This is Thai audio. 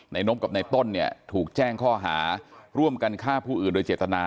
นบกับในต้นเนี่ยถูกแจ้งข้อหาร่วมกันฆ่าผู้อื่นโดยเจตนา